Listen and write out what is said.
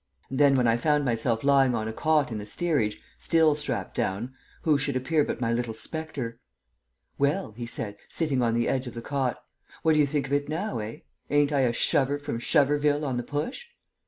And then, when I found myself lying on a cot in the steerage, still strapped down, who should appear but my little spectre. "Well," he said, sitting on the edge of the cot, "what do you think of it now, eh? Ain't I a shover from Shoverville on the Push?"